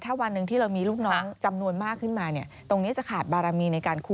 ถ้าถามว่าเบอร์นี้จะให้ขาดอะไร